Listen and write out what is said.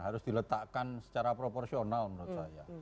harus diletakkan secara proporsional menurut saya